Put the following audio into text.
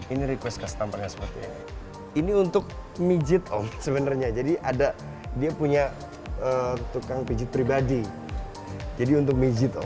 ini request customer yang seperti ini ini untuk mijit om sebenarnya jadi ada dia punya tukang pijit pribadi jadi untuk mijit om